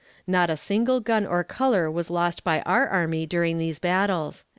Not a single gun or color was lost by our army during these battles."